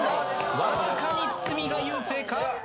わずかに堤が優勢か。